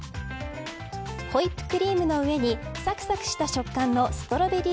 ホイップクリームの上にサクサクした食感のストロベリー